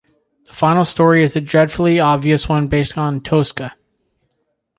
The final story is a dreadfully obvious one based on "Tosca".